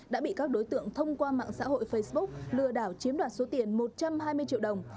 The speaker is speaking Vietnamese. đã bị các đối tượng thông qua mạng xã hội facebook lừa đảo chiếm đoạt số tiền một trăm hai mươi triệu đồng